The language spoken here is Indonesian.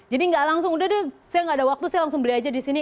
nggak langsung udah deh saya gak ada waktu saya langsung beli aja di sini